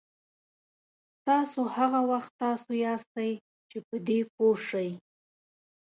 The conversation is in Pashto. تاسو هغه وخت تاسو یاستئ چې په دې پوه شئ.